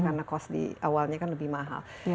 karena cost di awalnya kan lebih mahal